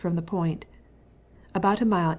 from the point. About a mile E.